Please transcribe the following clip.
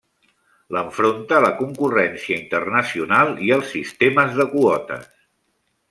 L'enfronta la concurrència internacional i els sistemes de quotes.